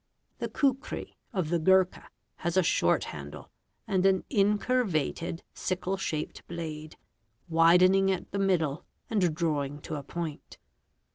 The kukri of the Gurkha has oie ie handle, and an incurvated, sickle shaped blade, widening at the mi d and drawing to a point.